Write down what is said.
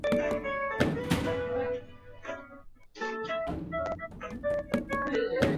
无符号数可以利用其所占有的所有位来表示较大的数。